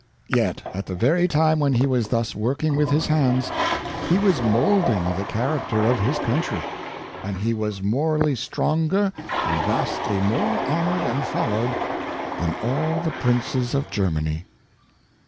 Yet, at the very time when he was thus working with his hands, he was moulding the character of his country; and he was morally stronger, and vastly more honored and followed, than all the princes of Germany.